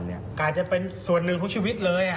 อาจจะเป็นส่วนหนึ่งของชีวิตเลย